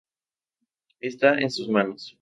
Está en sus manos.